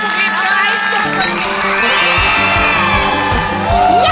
เดี๋ยวครับ